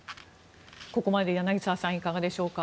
ここまでで柳澤さんいかがでしょうか。